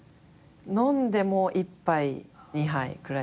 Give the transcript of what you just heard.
飲んでも１杯２杯くらいで。